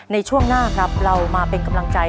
ในช่วงหน้าครับเรามาเป็นกำลังใจ